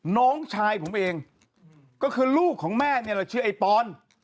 น้องชายผมเองก็คือลูกของแม่นี่แหละชื่อไอ้ปอน